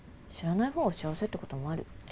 知らない方が幸せってこともあるよ。